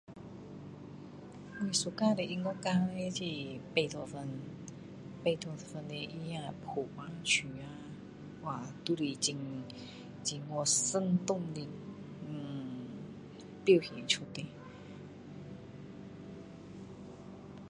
我喜欢的音乐节叻就是贝多芬贝多芬他的镨啊曲啊哇都是很很生动的嗯表演出来